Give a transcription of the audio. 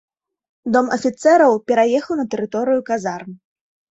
Дом афіцэраў пераехаў на тэрыторыю казарм.